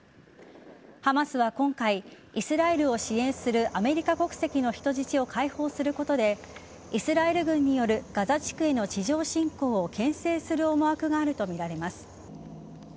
ハマスは今回イスラエルを支援するアメリカ国籍の人質を解放することでイスラエル軍によるガザ地区への地上侵攻をけん制する思惑があるとみられます。